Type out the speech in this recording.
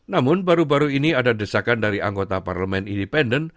namun baru baru ini ada desakan dari anggota parlement independen